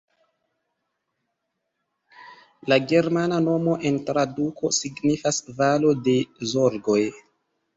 La germana nomo en traduko signifas valo de zorgoj.